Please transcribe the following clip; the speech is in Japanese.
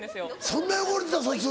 そんな汚れてたそいつ。